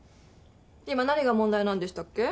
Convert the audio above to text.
今何が問題なんでしたっけ？